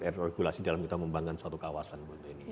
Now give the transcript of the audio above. regulasi dalam kita membangun suatu kawasan bu